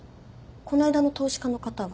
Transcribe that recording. この間の投資家の方は？